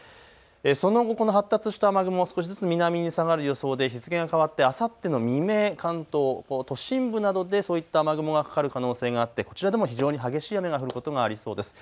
その後、この発達した雨雲、少しずつ南に下がる予想で日付が変わってあさっての未明、関東都心部などでそういった雨雲がかかる可能性があってこちらでも非常に激しい雨が降ることがありそうです。